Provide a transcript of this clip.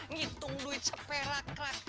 ngitung duit sepera keras